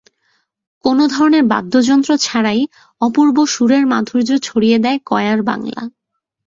কোনো ধরনের বাদ্যযন্ত্র ছাড়াই অপূর্ব সুরের মাধুর্য ছড়িয়ে দেয় কয়ার বাংলা।